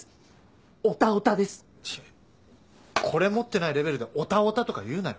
これ持ってないレベルでオタオタとか言うなよ。